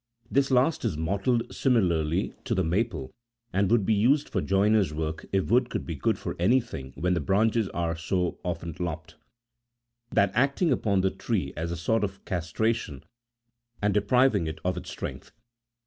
This last is mottled simi larly to the maple, and would be used for joiners' work if wood could be good for anything when the branches are so often lopped : that acting upon the tree as a sort of castration, and depriving it of its strength.